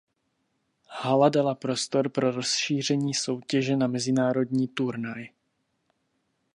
Hala dala prostor pro rozšíření soutěže na mezinárodní turnaj.